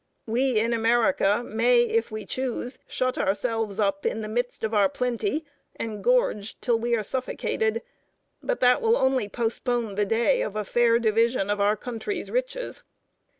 We in America may, if we choose, shut ourselves up in the midst of our plenty and gorge till we are suffocated, but that will only postpone the day of a fair division of our country's riches.